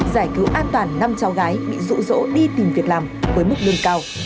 giải cứu an toàn năm cháu gái bị rụ rỗ đi tìm việc làm với mức lương cao